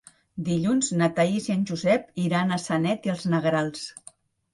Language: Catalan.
Dilluns na Thaís i en Josep iran a Sanet i els Negrals.